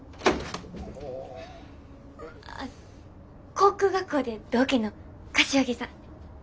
航空学校で同期の柏木さん。